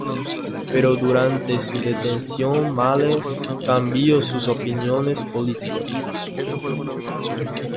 Pero durante su detención, Mahler cambió sus opiniones políticas.